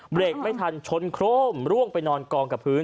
เบรกไม่ทันชนโครมร่วงไปนอนกองกับพื้น